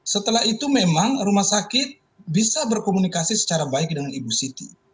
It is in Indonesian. setelah itu memang rumah sakit bisa berkomunikasi secara baik dengan ibu siti